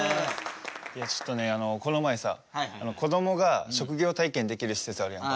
ちょっとねこの前さこどもが職業体験できる施設あるやんか。